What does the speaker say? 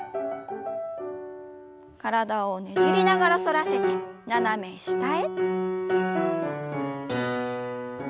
体をねじりながら反らせて斜め下へ。